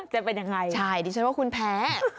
จะเป็นยังไงใช่ดิฉันว่าคุณแพ้